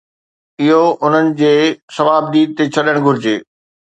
اهو انهن جي صوابديد تي ڇڏڻ گهرجي.